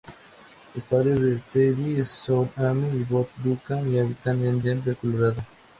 Los padres de Teddy son Amy y Bob Duncan y habita en Denver, Colorado.